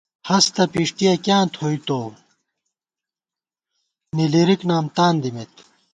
ہستہ پِݭٹِیَہ کیاں تھوئی تُوؤ، نِلی رِکنام تان دِمېت